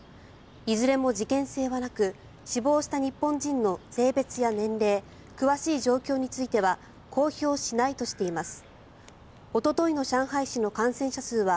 いずれも事件性はなく死亡した日本人の性別や年齢詳しい状況については公表しないとしています。